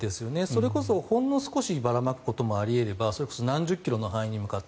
それこそほんの少しばらまくこともあり得ればそれこそ何十キロの範囲１００